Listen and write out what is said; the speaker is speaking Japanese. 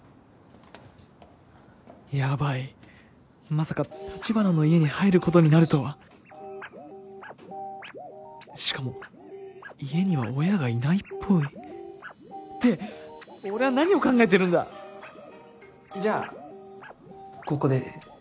まさか橘の家に入ることになるとはしかも家には親がいないっぽいって俺は何を考えてるんだじゃあここで。